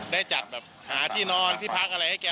ได้จัดแบบหาที่นอนที่พักอะไรให้แก